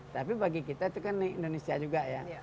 tapi bagi kita itu kan indonesia juga ya